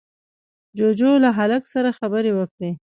جُوجُو له هلک سره خبرې وکړې.